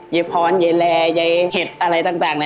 เยพรเยแรเยเฮศอะไรต่าง